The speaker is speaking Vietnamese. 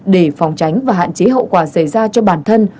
để phòng tránh và hạn chế hậu quả xảy ra cho bản thân